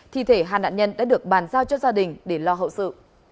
thi thể hai nạn nhân đã được bàn giao cho gia đình để lo hậu sự